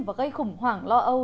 và gây khủng hoảng lo âu